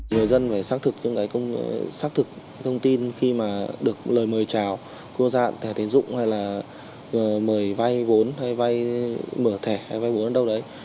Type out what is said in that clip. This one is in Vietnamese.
người dân phải xác thực những thông tin khi mà được lời mời trào cô gian thẻ tiền dụng hay là mời vay vốn hay vay mở thẻ hay vay vốn ở đâu đấy